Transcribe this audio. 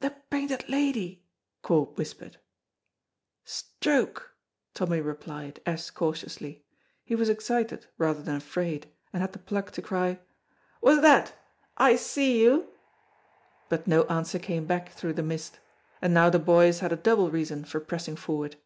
"The Painted Lady!" Corp whispered. "Stroke!" Tommy replied, as cautiously. He was excited rather than afraid, and had the pluck to cry, "Wha's that? I see you!" but no answer came back through the mist, and now the boys had a double reason for pressing forward.